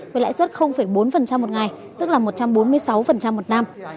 với lãi suất bốn một ngày tức là một trăm bốn mươi sáu một năm